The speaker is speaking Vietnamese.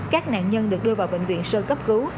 các nạn nhân được đưa vào bệnh viện sơ cấp cứu